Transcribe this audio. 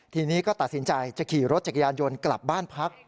ทีนี้ก็ตัดสินใจจะขี่รถจักรยานยนต์กลับบ้านพัก